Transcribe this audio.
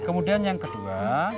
kemudian yang kedua